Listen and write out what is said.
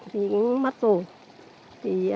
thì cũng mất rồi